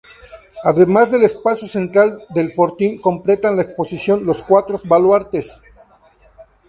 Además del espacio central del fortín, completan la exposición los cuatros baluartes.